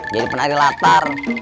jadi penari latar